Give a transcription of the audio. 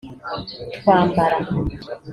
twambara